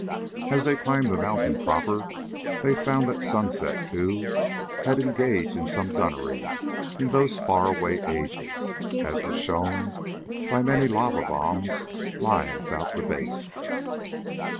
As they climbed the mountain proper they found that Sunset, too, had engaged in some gunnery in those far away ages, as was shown by many lava bombs lying about the base.